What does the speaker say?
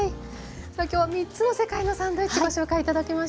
さあ今日は３つの世界のサンドイッチご紹介頂きました。